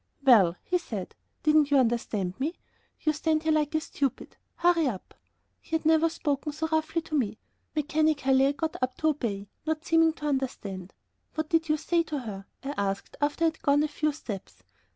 "Well," he said, "didn't you understand me? You stand there like a stupid! Hurry up!" He had never spoken so roughly to me. Mechanically I got up to obey, not seeming to understand. "What did you say to her?" I asked, after I had gone a few steps.